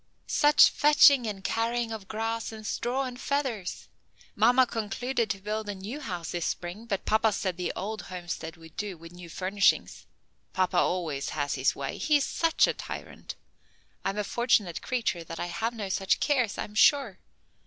Such fetching and carrying of grass and straw and feathers! Mamma concluded to build a new house this spring but papa said the old homestead would do, with new furnishings. Papa always has his way; he's such a tyrant. I'm a fortunate creature that I have no such cares, I'm sure.